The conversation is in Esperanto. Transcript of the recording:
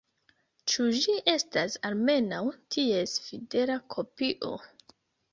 Ĉu ĝi estas almenaŭ ties fidela kopio?